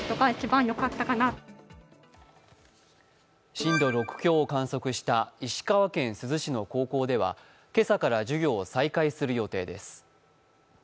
震度６強を観測した石川県珠洲市の高校では今朝から授業を再開する予定です。